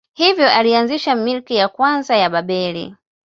Hivyo alianzisha milki ya kwanza ya Babeli.